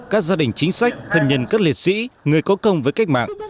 các gia đình chính sách thân nhân các liệt sĩ người có công với cách mạng